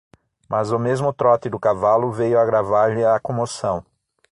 Mas o mesmo trote do cavalo veio agravar-lhe a comoção.